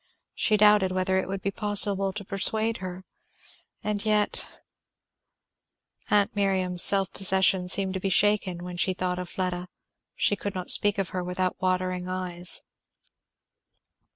She doubted whether it would be possible to persuade her. And yet Aunt Miriam's self possession seemed to be shaken when she thought of Fleda; she could not speak of her without watering eyes.